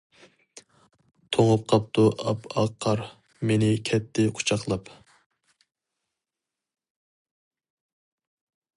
توڭۇپ قاپتۇ ئاپئاق قار، مېنى كەتتى قۇچاقلاپ.